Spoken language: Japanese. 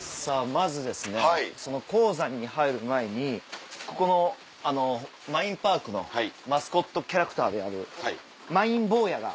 まずその鉱山に入る前にここのマインパークのマスコットキャラクターであるマイン坊やが。